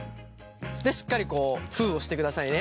でしっかりこう封をしてくださいね。